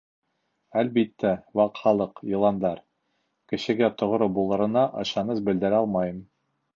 — Әлбиттә, Ваҡ Халыҡ — йыландар — кешегә тоғро булырына ышаныс белдерә алмайым.